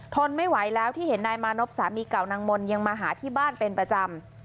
ทนไม่ไหวแล้วที่เห็นนายมานพสามีเก่านางมนต์ยังมาหาที่บ้านเป็นประจำ